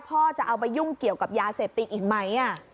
พ่อจะเอาไปยุ่งเกี่ยวกับยาเสพติดอีกไหม